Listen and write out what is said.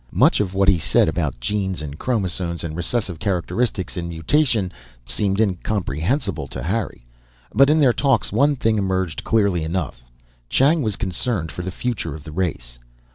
Much of what he said, about genes and chromosomes and recessive characteristics and mutation, seemed incomprehensible to Harry. But in their talks, one thing emerged clearly enough Chang was concerned for the future of the race.